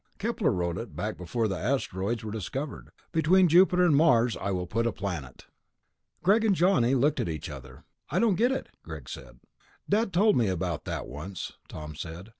Kepler wrote it, back before the asteroids were discovered. 'Between Jupiter and Mars I will put a planet.'" Greg and Johnny looked at each other. "I don't get it," Greg said. "Dad told me about that once," Tom said.